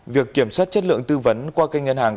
việc kiểm soát chất lượng tư vấn qua kênh ngân hàng